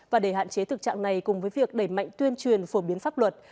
và để hạn chế thực trạng này cùng với việc đẩy mạnh tuyên truyền phổ biến pháp luật